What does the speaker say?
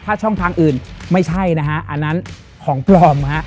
ถ้าช่องทางอื่นไม่ใช่นะฮะอันนั้นของปลอมฮะ